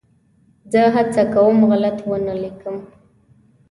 زه هڅه کوم غلط ونه ولیکم.